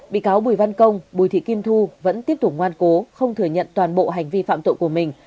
bị cáo bùi văn công bùi thị kim thu vẫn tiếp tục ngoan cố không thừa nhận toàn bộ hành vi phạm tội của mình